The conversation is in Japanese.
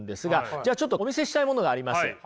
じゃあちょっとお見せしたいものがあります。